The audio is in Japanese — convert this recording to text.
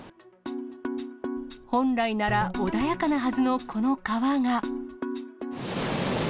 本来なら穏やかなはずのこの川が。